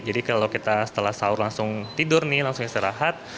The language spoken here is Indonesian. jadi kalau kita setelah sahur langsung tidur nih langsung istirahat